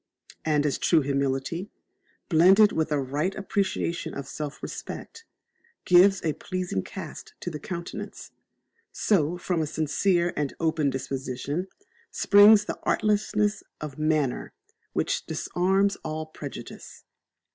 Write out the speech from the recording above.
And as true humility, blended with a right appreciation of self respect, gives a pleasing cast to the countenance, so from a sincere and open disposition springs that artlessness of manner which disarms all prejudice.